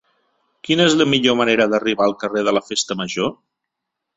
Quina és la millor manera d'arribar al carrer de la Festa Major?